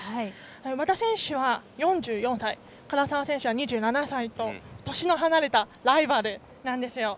和田選手は４４歳唐澤選手は２７歳と年の離れたライバルなんですよ。